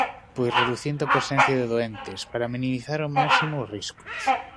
Pois reducindo a presenza de doentes para minimizar ao máximo os riscos.